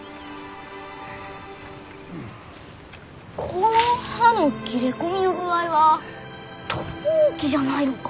この葉の切れ込みの具合はトウキじゃないろか？